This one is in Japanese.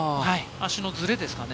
足のズレですかね。